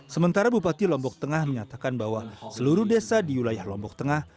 sementara bupati lombok tengah menyatakan bahwa seluruh desa di wilayah lombok tengah